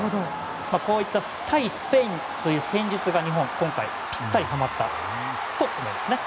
こういった対スペインという戦術が日本、今回ぴったりはまったと思いますね。